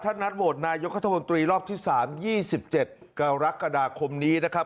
ท่านัดโหวดนายกธมตรีรอบที่สามยี่สิบเจ็ดกรกฎาคมนี้นะครับ